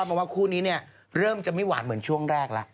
เพราะว่าคู่นี้เนี่ยเริ่มจะไม่หวานเหมือนช่วงแรกแล้ว